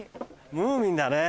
ムーミンだ。